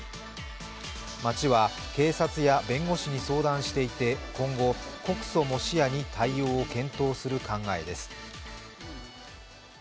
町は警察や弁護士に相談していて、今後、告訴も視野に対応を検討する考えです。